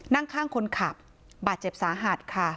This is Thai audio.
นั่งข้างคนขับบาดเจ็บสาหัสค่ะ